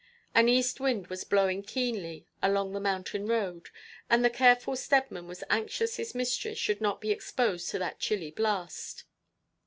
An east wind was blowing keenly along the mountain road, and the careful Steadman was anxious his mistress should not be exposed to that chilly blast.